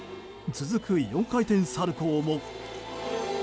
続く４回転サルコウも。